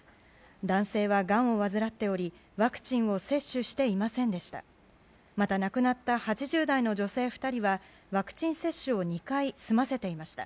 男性はがんを患っておりワクチンを接種していませんでした。